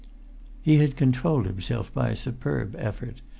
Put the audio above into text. He had controlled himself by a superb effort.